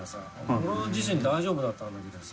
俺自身大丈夫だったんだけどさ。